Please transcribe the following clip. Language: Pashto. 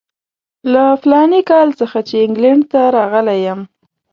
له فلاني کال څخه چې انګلینډ ته راغلی یم.